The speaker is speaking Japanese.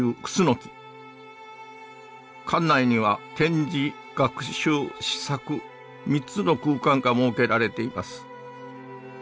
館内には展示学習思索３つの空間が設けられています。